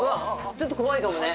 ちょっと怖いかもね。